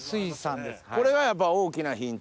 これがやっぱ大きなヒント？